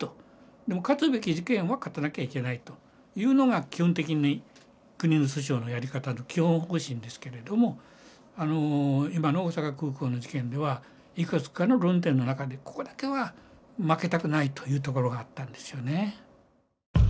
でも勝つべき事件は勝たなきゃいけないというのが基本的に国の訴訟のやり方の基本方針ですけれども今の大阪空港の事件ではいくつかの論点の中でここだけは負けたくないというところがあったんですよね。